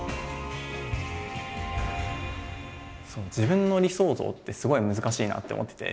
自分の理想像ってすごい難しいなって思ってて。